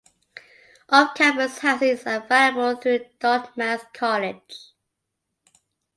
Off-campus housing is available through Dartmouth College.